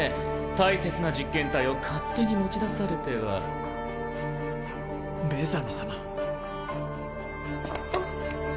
大切な実験体を勝手に持ち出されてはメザミ様あっ